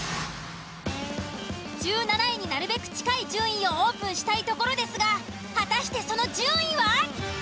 １７位になるべく近い順位をオープンしたいところですが果たしてその順位は？